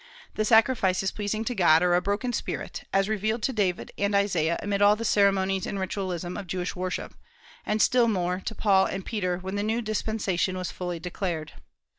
The sacrifices pleasing to God are a broken spirit, as revealed to David and Isaiah amid all the ceremonies and ritualism of Jewish worship, and still more to Paul and Peter when the new dispensation was fully declared.